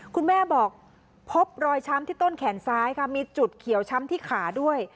คุณแม่บอกพบรอยช้ำที่ต้นแขนซ้ายค่ะมีจุดเขียวช้ำที่ขาด้วย